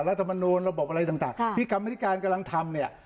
รัฐมนูลระบบอะไรต่างที่กรรมนิการกำลังทำเนี่ย